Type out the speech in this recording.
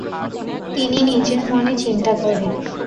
তিনি নিজের মনে চিন্তা করেন।